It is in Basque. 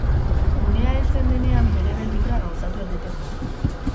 Unea heltzen denean bere beldurra gauzatu egiten da.